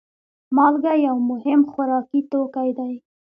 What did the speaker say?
مالګه یو مهم خوراکي توکی دی.